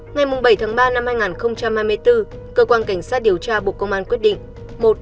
ngày bảy tháng ba năm hai nghìn hai mươi bốn cơ quan cảnh sát điều tra bộ công an quyết định